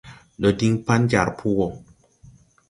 Ndo diŋ pan jar po wɔ.